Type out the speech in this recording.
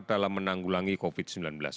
dalam menanggulangi covid sembilan belas